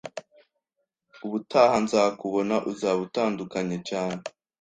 Ubutaha nzakubona, uzaba utandukanye cyane